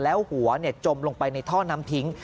แล้วหัวจมลงไปในท่อน้ำทิ้ง